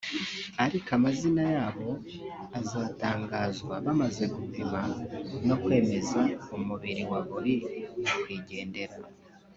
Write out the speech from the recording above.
ariko amazina yabo azatangazwa bamaze gupima no kwemeza umubiri wa buri nyakwigendera